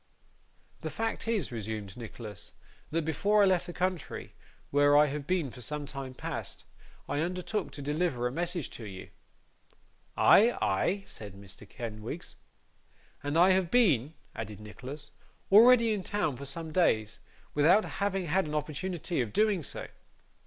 'The fact is,' resumed Nicholas, 'that before I left the country, where I have been for some time past, I undertook to deliver a message to you.' 'Ay, ay?' said Mr. Kenwigs. 'And I have been,' added Nicholas, 'already in town for some days, without having had an opportunity of doing so.